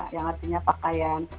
yang artinya pakaian